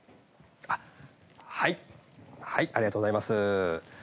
あっはいはいありがとうございます。